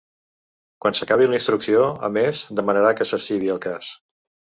Quan s’acabi la instrucció, a més, demanarà que s’arxivi el cas.